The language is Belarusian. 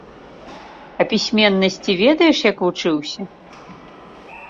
А пісьменнасці ведаеш як вучыўся?